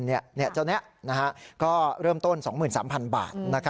เจ้านี้ก็เริ่มต้น๒๓๐๐๐บาท